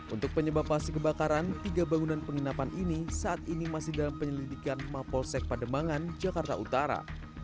untuk penyebab pasti kebakaran tiga bangunan penginapan ini saat ini masih dalam penyelidikan mapolsek pademangan jakarta utara